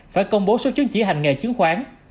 phải công bố số chứng chỉ hành nghề chứng khoán